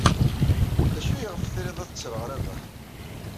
D acu ayɣef trid ad ttreɣ Rabaḥ?